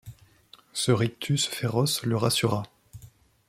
Ce rictus féroce le rassura.